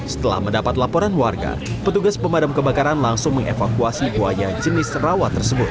setelah mendapat laporan warga petugas pemadam kebakaran langsung mengevakuasi buaya jenis rawat tersebut